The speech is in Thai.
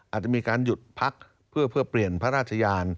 อาจจะมีการหยุดพักเพื่อเปลี่ยนพระราชยาน